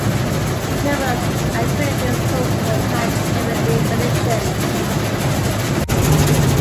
Numerous accredited sources supply different definitions.